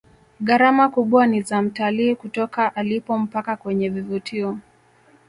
gharama kubwa ni za mtalii kutoka alipo mpaka kwenye vivutio